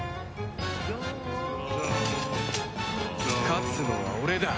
勝つのは俺だ。